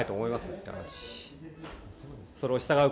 って話。